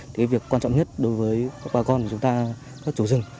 cái việc quan trọng nhất đối với bà con của chúng ta các chủ rừng